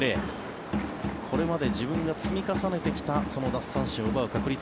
これまで自分が積み重ねてきた奪三振を奪う確率。